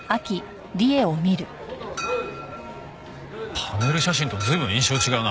パネル写真と随分印象違うな。